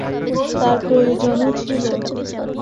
তার প্রয়োজনও ছিল।